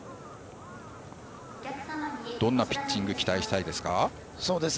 どんなピッチング期待したいですか。